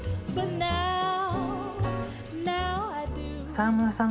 「沢村さん